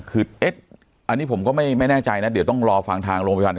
คืออันนี้ผมก็ไม่แน่ใจนะเดี๋ยวต้องรอฟังทางโรงพยาบาล